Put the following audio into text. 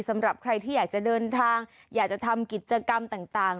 สำหรับใครที่อยากจะเดินทางอยากจะทำกิจกรรมต่าง